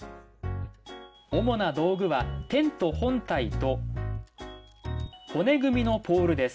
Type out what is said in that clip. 主な道具はテント本体と骨組みのポールです。